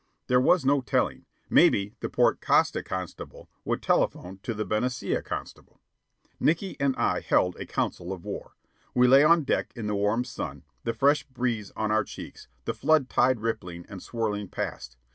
There was no telling. Maybe the Port Costa constable would telephone to the Benicia constable. Nickey and I held a council of war. We lay on deck in the warm sun, the fresh breeze on our cheeks, the flood tide rippling and swirling past.